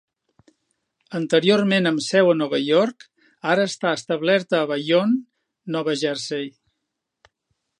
Anteriorment amb seu a Nova York, ara està establerta a Bayonne, Nova Jersey.